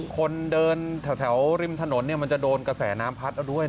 คนเดินแถวริมถนนมันจะโดนกระแสน้ำพัดเอาด้วยนะ